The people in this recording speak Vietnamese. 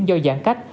do giãn cách